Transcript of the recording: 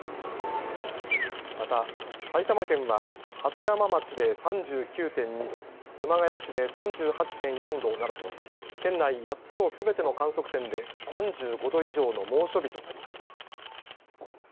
また埼玉県は鳩山町で３９．２度、熊谷市で３８．４度などと県内８つのすべての観測点で３５度以上の猛暑日となりました。